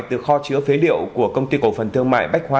từ kho chứa phế liệu của công ty cổ phần thương mại bách hóa